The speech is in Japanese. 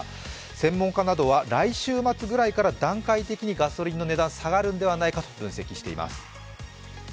専門家などは、来週末くらいから段階的にガソリンの値段は下がるのではないかと分析しています。